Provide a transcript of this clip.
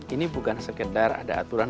ini bukan sekedar ada aturan